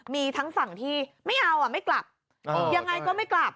มีทั้งฝั่งที่ไม่กลับยังไงก็ไม่กลับ